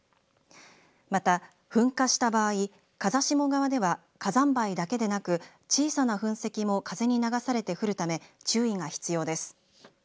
また、噴火した場合風下側では、火山灰だけでなく小さな噴石も風に流されて降るため注意が必要です。